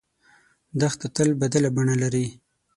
دښته تل بدله بڼه لري.